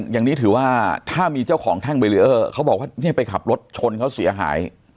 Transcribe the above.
อย่างนี้ถือว่าถ้ามีเจ้าของแท่งเบรีเออร์เขาบอกว่าเนี่ยไปขับรถชนเขาเสียหาย